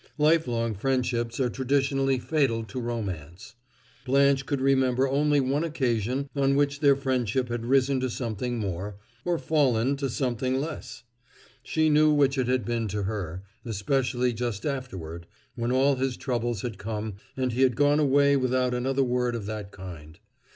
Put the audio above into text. Lifelong friendships are traditionally fatal to romance. Blanche could remember only one occasion on which their friendship had risen to something more or fallen to something less! She knew which it had been to her; especially just afterward, when all his troubles had come and he had gone away without another word of that kind.